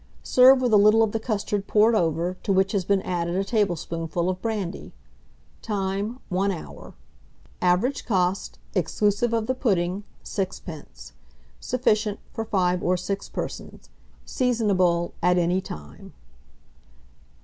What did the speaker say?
Serve with a little of the custard poured over, to which has been added a tablespoonful of brandy. Time. 1 hour. Average cost, exclusive of the pudding, 6d. Sufficient for 5 or 6 persons. Seasonable at any time.